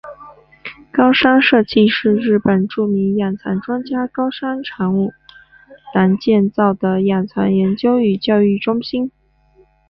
高山社迹是日本著名养蚕专家高山长五郎建造的养蚕研究与教育中心。